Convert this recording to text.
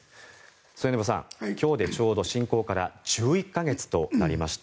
末延さん、今日でちょうど侵攻から１１か月となりました。